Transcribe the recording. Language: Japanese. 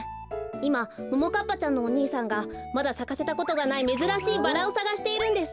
いまももかっぱちゃんのお兄さんがまださかせたことがないめずらしいバラをさがしているんです。